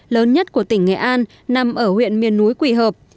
lớn nhất của tỉnh nghệ an nằm ở huyện miền núi quỳ hợp